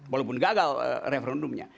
walaupun gagal referendumnya